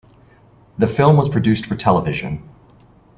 The film was produced for television.